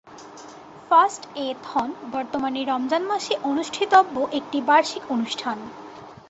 Fast-a-thon বর্তমানে রমজান মাসে অনুষ্ঠিতব্য একটি বার্ষিক অনুষ্ঠান।